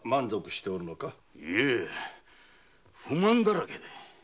いいえ不満だらけで。